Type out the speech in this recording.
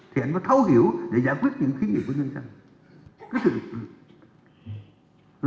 thì anh phải thấu hiểu để giải quyết những khí nghiệm của nhân dân